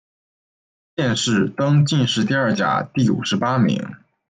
殿试登进士第二甲第五十八名。